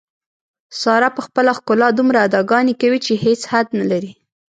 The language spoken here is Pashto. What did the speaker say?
ساره په خپله ښکلا دومره اداګانې کوي، چې هېڅ حد نه لري.